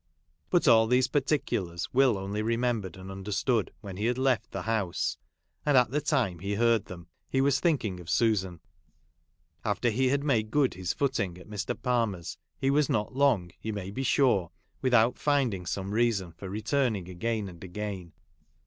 But all these particulars Will only remembered and xmderstood, when he had left the house ; at the time he heard them, he was thinking of Susan. After he had made good his footing at Mr. Palmer's, he was not long, you may be sure, without finding some reason for returning again and again.